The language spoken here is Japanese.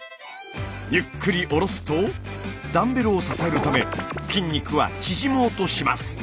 ゆっくり下ろすとダンベルを支えるため筋肉は縮もうとします。